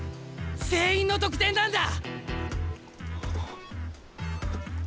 全員の得点なんだ！